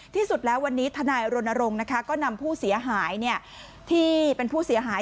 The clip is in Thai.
ที่สุดแล้ววันนี้ทนายรณรงค์ก็นำผู้เสียหายที่เป็นผู้เสียหาย